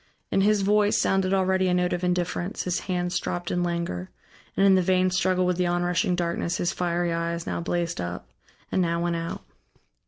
In his voice sounded already a note of indifference, his hands dropped in languor, and in the vain struggle with the onrushing darkness his fiery eyes now blazed up, and now went out.